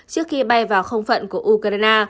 trước khi bay vào không phận của ukraine